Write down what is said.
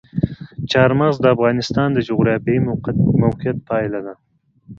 چار مغز د افغانستان د جغرافیایي موقیعت پایله ده.